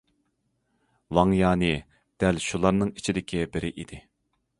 ۋاڭ يانى دەل شۇلارنىڭ ئىچىدىكى بىرى ئىدى.